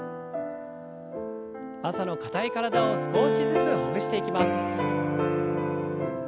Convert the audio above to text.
朝の硬い体を少しずつほぐしていきます。